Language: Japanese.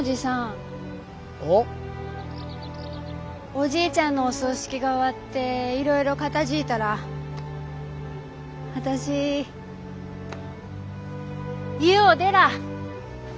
おじいちゃんのお葬式が終わっていろいろ片づぃたら私家を出らあ。